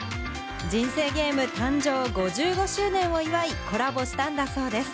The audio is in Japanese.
『人生ゲーム』誕生５５周年を祝い、コラボしたんだそうです。